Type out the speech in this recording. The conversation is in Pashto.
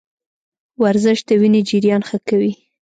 ورزش د وینې جریان ښه کوي.